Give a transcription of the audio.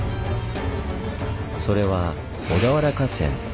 それは小田原合戦。